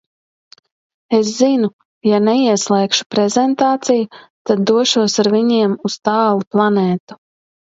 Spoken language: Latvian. Es zinu – ja neieslēgšu prezentāciju, tad došos ar viņiem uz tālu planētu.